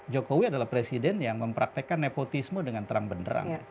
jokowi adalah presiden yang mempraktekkan nepotisme dengan terang benderang